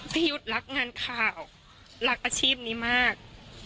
พี่ยุทธ์รักงานข่าวรักอาชีพนี้มาก